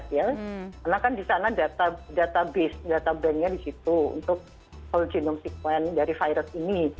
karena kan di sana data base data banknya di situ untuk whole genome sequence dari virus ini